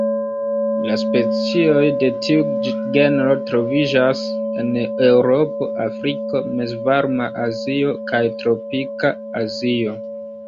La specioj de tiu genro troviĝas en Eŭropo, Afriko, mezvarma Azio kaj tropika Azio.